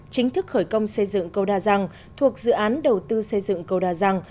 chính thức khởi công xây dựng cầu đà răng thuộc dự án đầu tư xây dựng cầu đà răng